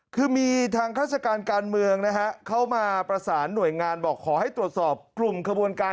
คือมีทางราชการการเมืองนะฮะเข้ามาประสานหน่วยงานบอกขอให้ตรวจสอบกลุ่มขบวนการ